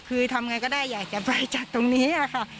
คือทำไงก็ได้อยากจะไปจัดตรงนี้ค่ะ